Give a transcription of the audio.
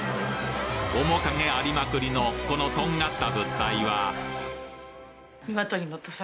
面影ありまくりのこのとんがった物体は？